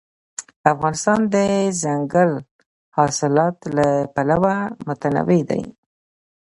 افغانستان د دځنګل حاصلات له پلوه متنوع دی.